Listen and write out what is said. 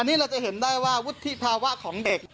อันนี้เราจะเห็นได้ว่าวุฒิภาวะของเด็ก